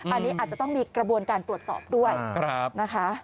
อันนี้อาจจะต้องมีกระบวนการตรวจสอบด้วยนะคะ